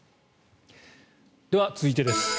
では続いてです。